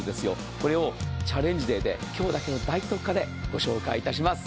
これをチャレンジデーで、今日だけの大特価でご紹介します。